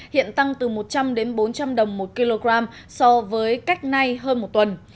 hiện tăng từ một trăm linh đến bốn trăm linh đồng một kg so với cách nay hơn một tuần